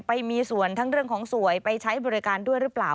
ไปมีส่วนทั้งเรื่องของสวยไปใช้บริการด้วยหรือเปล่า